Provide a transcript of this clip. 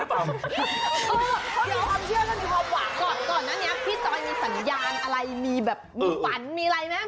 ก่อนนะพี่ตอนนี้มีสัญญาณอะไรมีแบบมีฝันมีอะไรไหม